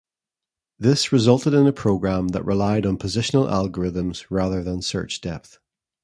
This resulted in a program that relied on positional algorithms, rather than search depth.